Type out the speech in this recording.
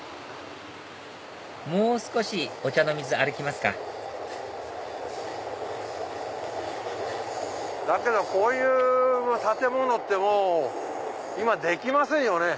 もう少し御茶ノ水歩きますかこういう建物ってもう今できませんよね。